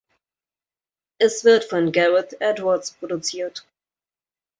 Es wird von Gareth Edwards produziert.